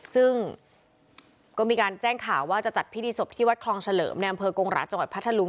ซึ่งก็มีการแจ้งข่าวว่าจะจัดพิธีศพที่วัดคลองเฉลิมในอำเภอกงหราจังหวัดพัทธลุง